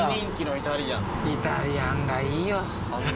イタリアンがいいよ。